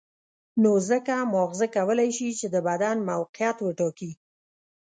نو ځکه ماغزه کولای شي چې د بدن موقعیت وټاکي.